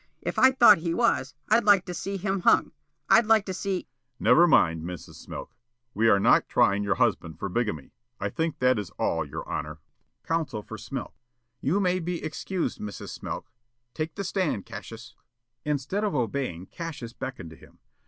If I thought he was, I'd like to see him hung. I'd like to see " The State. "Never mind, Mrs. Smilk. We are not trying your husband for bigamy. I think that is all, your honor." Counsel for Smilk: "You may be excused, Mrs. Smilk. Take the stand, Cassius." Instead of obeying Cassius beckoned to him.